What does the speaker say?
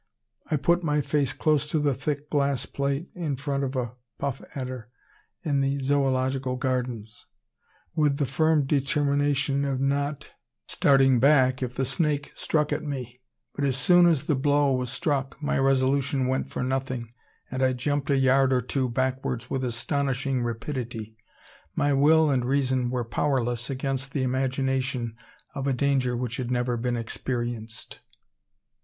I put my face close to the thick glass plate in front of a puff adder in the Zoological Gardens, with the firm determination of not starting back if the snake struck at me; but, as soon as the blow was struck, my resolution went for nothing, and I jumped a yard or two backwards with astonishing rapidity. My will and reason were powerless against the imagination of a danger which had never been experienced.